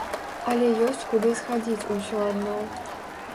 Але ёсць куды схадзіць усё адно.